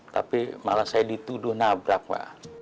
tapi malah saya dituduh nabrak pak